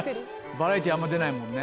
バラエティーあんま出ないもんね。